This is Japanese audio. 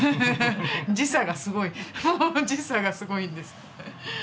時差がすごい時差がすごいんですよ。